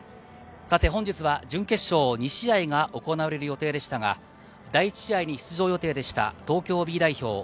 本日は準決勝２試合が行われる予定でしたが、第１試合に出場予定でした東京Ｂ代表